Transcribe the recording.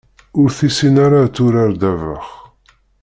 Ur tessin ara ad turar ddabex.